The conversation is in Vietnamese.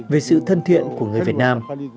về sự thân thiện của người việt nam